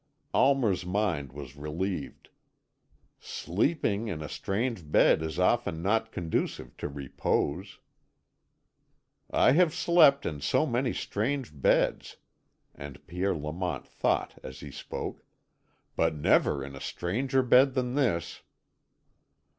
Almer's mind was relieved. "Sleeping in a strange bed is often not conducive to repose." "I have slept in so many strange beds." And Pierre Lamont thought as he spoke: "But never in a stranger bed than this."